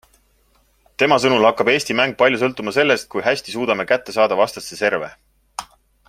Tema sõnul hakkab Eesti mäng palju sõltuma sellest, kui hästi suudame kätte saada vastaste serve.